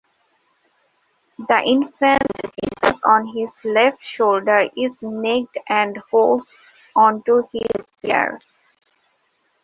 The Infant Jesus on his left shoulder is naked and holds onto his hair.